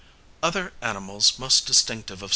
Other animals most distinctive of S.